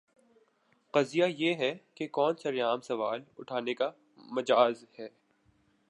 قضیہ یہ ہے کہ کون سر عام سوال اٹھانے کا مجاز ہے؟